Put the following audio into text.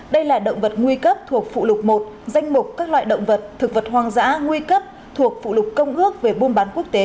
đây là động vật nguy cấp thuộc phụ lục một danh mục các loại động vật thực vật hoang dã nguy cấp thuộc phụ lục công ước về buôn bán quốc tế